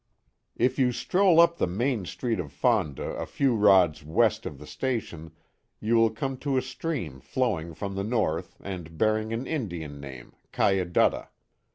If you stroll up the main street of Fonda a few rods west of the station you will come to a stream flowing from the north and bearing an Indian name — Cayadutta.